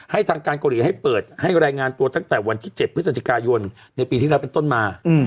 ให้ทางการกรุงศูนย์ให้เปิดให้รายงานตัวตั้งแต่วันที่เจ็บพฤศจิกายนในปีที่เราเป็นต้นมาอืม